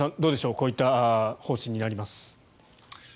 こういった方針になります。